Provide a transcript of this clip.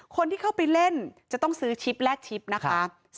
คนที่เข้าไปเล่นจะต้องซื้อชิปและชิปนะคะ